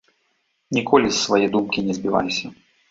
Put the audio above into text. Ніколі з свае думкі не збівайся.